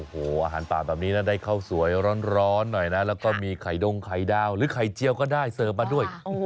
โอ้โหอาหารป่าแบบนี้นะได้ข้าวสวยร้อนหน่อยนะแล้วก็มีไข่ดงไข่ดาวหรือไข่เจียวก็ได้เสิร์ฟมาด้วย